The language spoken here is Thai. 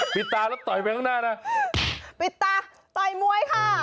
ปิดตาต่อยมัวงี้ค่ะ